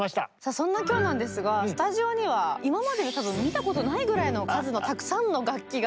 そんな今日なんですがスタジオには今までに多分見たことないぐらいの数のたくさんの楽器が。